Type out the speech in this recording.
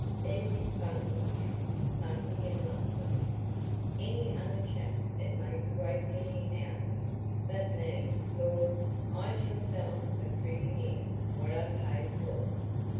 There's this bundle, now," thumping it lustily, "any other chap 'ud make a pretty penny out on it. But me!—lors, I shall sell 'em for pretty near what I paid for 'em."